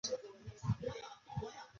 宋高宗时参知政事。